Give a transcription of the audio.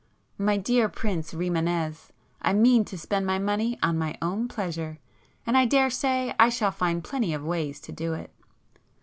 My dear Prince Rimânez, I mean to spend my money on my own pleasure, and I daresay I shall find plenty of ways to do it."